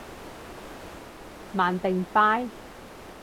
慢定快？